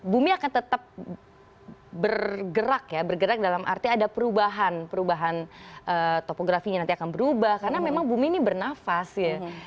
bumi akan tetap bergerak ya bergerak dalam arti ada perubahan perubahan topografinya nanti akan berubah karena memang bumi ini bernafas gitu